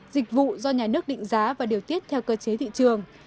dịch vụ do nhà nước định giá và điều tiết theo cơ chế thị trường